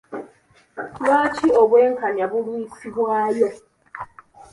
Lwaki obwenkanya bulwisibwawo?